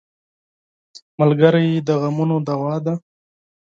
ملګری د غمونو دوا ده.